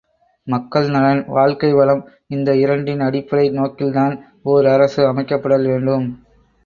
மக்கள் நலன், வாழ்க்கை வளம், இந்த இரண்டின் அடிப்படை நோக்கில்தான் ஓர் ஆரசு அமைக்கப்படல்வேண்டும்.